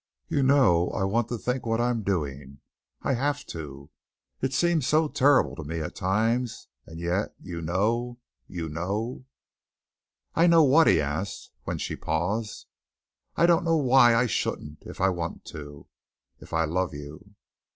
"You know I want to think what I'm doing. I have to. It seems so terrible to me at times and yet you know, you know " "I know what?" he asked, when she paused. "I don't know why I shouldn't if I want to if I love you."